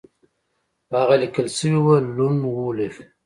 په هغه لیکل شوي وو لون وولف